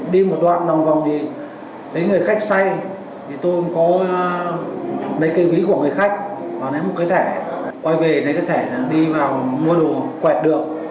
đi một đoạn nằm vòng thì thấy người khách say tôi có lấy cây ví của người khách lấy một cái thẻ quay về lấy cái thẻ đi vào mua đồ quẹt được